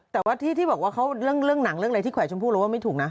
แต่ว่าที่บอกว่าเรื่องหนังอะไรที่ไข่ชมพูรู้ว่าไม่ถูกนะ